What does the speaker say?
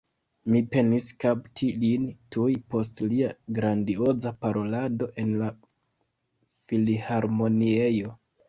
Mi penis kapti lin tuj post lia grandioza parolado en la Filharmoniejo.